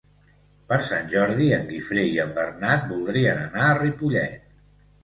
Per Sant Jordi en Guifré i en Bernat voldrien anar a Ripollet.